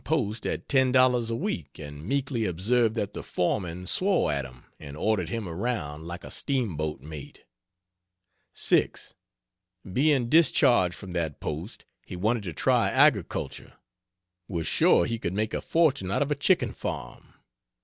Post at $10 a week and meekly observed that the foreman swore at him and ordered him around "like a steamboat mate." 6. Being discharged from that post, he wanted to try agriculture was sure he could make a fortune out of a chicken farm.